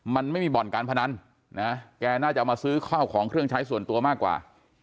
มันไม่มีบ่อนการพนันนะแกน่าจะเอามาซื้อข้าวของเครื่องใช้ส่วนตัวมากกว่า